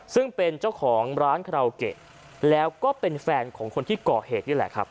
ซึ่งเป็นเจ้าของร้านคาราโกเกและก็เป็นแฟนของคนที่ก่อเหตุ